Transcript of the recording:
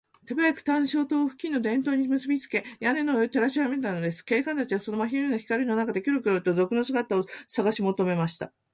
手早く探照燈を付近の電燈線にむすびつけ、屋根の上を照らしはじめたのです。警官たちは、その真昼のような光の中で、キョロキョロと賊の姿をさがしもとめました。